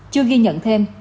chưa ghi nhận thêm